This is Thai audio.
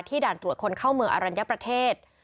ด่านตรวจคนเข้าเมืองอรัญญประเทศ